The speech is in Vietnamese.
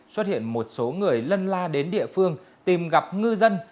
xuất hiện một số người lân la đến địa phương tìm gặp ngư dân